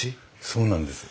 そうなんです。